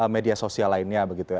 media sosial lainnya